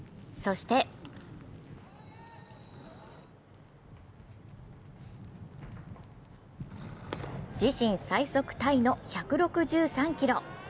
そして自身最速タイの１６３キロ。